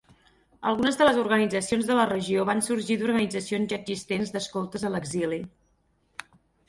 Algunes de les organitzacions de la regió van sorgir d'organitzacions ja existents d'escoltes a l'exili.